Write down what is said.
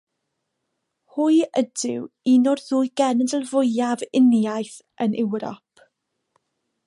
Hwy ydyw un o'r ddwy genedl fwyaf uniaith yn Ewrop.